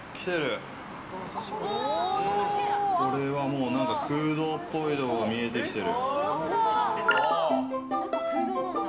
これは空洞っぽいところ見えてきてる。